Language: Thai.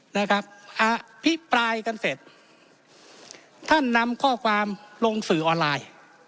นะครับอภิปรายกันเสร็จท่านนำข้อความลงสื่อออนไลน์